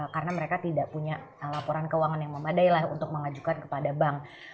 karena mereka tidak punya laporan keuangan yang memadai lah untuk mengajukan kepada bank